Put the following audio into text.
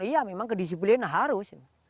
iya memang kedisiplin harus